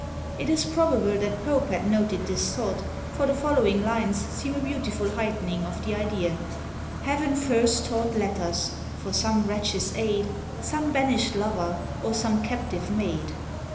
It is probable that Pope had noted this thought, for the following lines seem a beautiful heightening of the idea: Heaven first taught letters, for some wretch's aid, Some banish'd lover, or some captive maid.